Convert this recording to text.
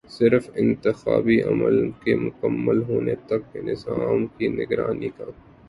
صرف انتخابی عمل کے مکمل ہونے تک نظام کی نگرانی کا